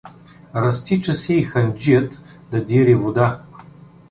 Разтича се и ханджият да дири вода.